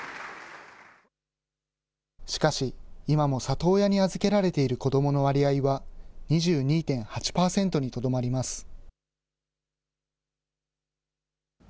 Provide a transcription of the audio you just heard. しかし、今も里親に預けられている子どもの割合は、２２．８％にとどまります。